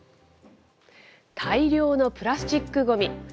大量のプラスチックごみ。